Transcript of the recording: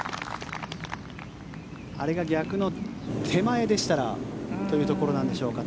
あれが逆の手前でしたらというところでしょうか。